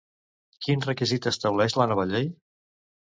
Quin requisit estableix la nova llei?